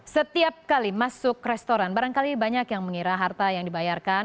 setiap kali masuk restoran barangkali banyak yang mengira harta yang dibayarkan